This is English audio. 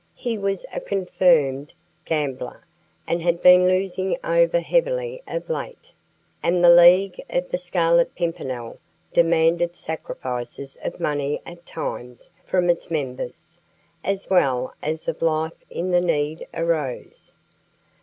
He was a confirmed gambler, and had been losing over heavily of late; and the League of the Scarlet Pimpernel demanded sacrifices of money at times from its members, as well as of life if the need arose.